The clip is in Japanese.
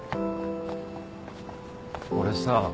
俺さ。